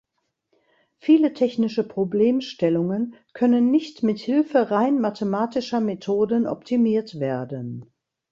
Viele technische Problemstellungen können nicht mit Hilfe rein mathematischer Methoden optimiert werden.